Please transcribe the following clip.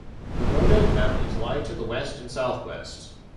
The Rhodope mountains lie to the west and southwest.